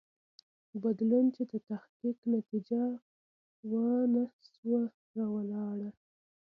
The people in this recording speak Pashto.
بدلون چې د تحقیق نتیجه وه نه شو راوړلای.